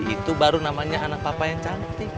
itu baru namanya anak papa yang cantik